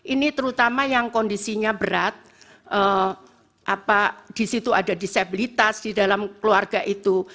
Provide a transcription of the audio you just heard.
ini terutama yang kondisinya berat di situ ada disabilitas di dalam keluarga itu